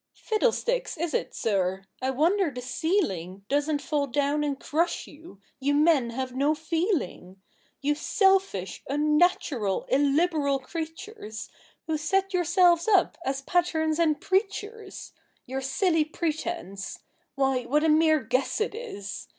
"Fiddlesticks, is it, sir? I wonder the ceiling Doesn't fall down and crush you you men have no feeling; You selfish, unnatural, illiberal creatures, Who set yourselves up as patterns and preachers, Your silly pretence why, what a mere guess it is!